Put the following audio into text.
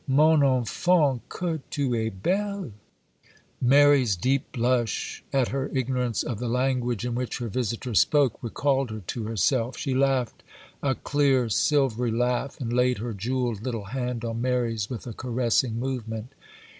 mon enfant, que tu es belle!_' Mary's deep blush, at her ignorance of the language in which her visitor spoke, recalled her to herself;—she laughed a clear, silvery laugh, and laid her jewelled little hand on Mary's with a caressing movement.